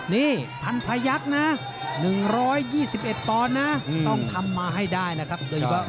นี่พันภายักษณ์นะ๑๒๑ตอนนะต้องทำมาให้ได้นะครับ